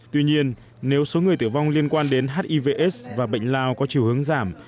tuy nhiên nếu số người tử vong liên quan đến hivs và bệnh lao có chiều hướng giảm